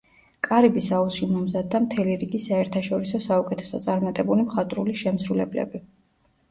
კარიბის აუზში მომზადდა მთელი რიგი საერთაშორისო საუკეთესო წარმატებული მხატვრული შემსრულებლები.